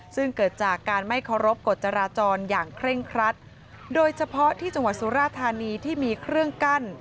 ซึ่งเกิดจากการไม่เคารพกฎจราจรอย่างเคร่งครัดโดยเฉพาะที่จังหวัดสุราธานีที่มีเครื่องกั้น